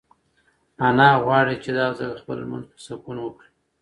انا غواړي چې دا ځل خپل لمونځ په سکون وکړي.